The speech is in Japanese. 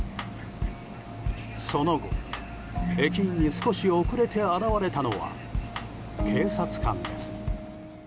その後、駅員に少し遅れて現れたのは警察官です。